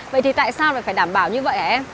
vậy thì tại sao lại phải đảm bảo như vậy hả em